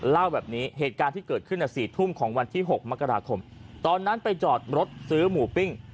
เล่าแบบนี้เหตุการณ์ที่เกิดขึ้น๔ทุ่มของวันที่๖มกราคมตอนนั้นไปจอดรถซื้อหมูปิ้ง